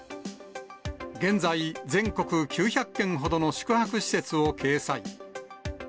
現在、全国９００件ほどの宿泊施設を掲載。